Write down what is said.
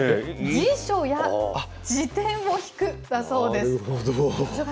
辞書や事典を引くだそうです。